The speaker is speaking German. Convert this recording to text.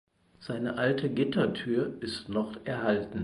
Seine alte Gittertür ist noch erhalten.